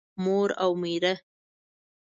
مور او مېره